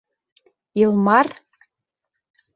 Илмар?